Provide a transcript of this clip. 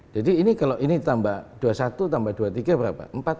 jadi ini kalau ini tambah dua puluh satu tambah dua puluh tiga berapa